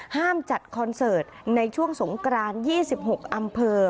ห้ามจัดคอนเสิร์ตในช่วงสงกราน๒๖อำเภอ